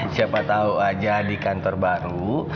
siapa tahu aja di kantor baru